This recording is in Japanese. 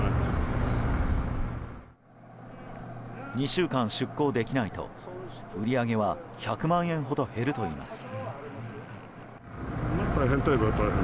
２週間出港できないと売り上げは１００万円ほど減るといいます。